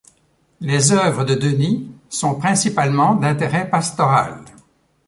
Les œuvres de Denys sont principalement d'intérêt pastoral.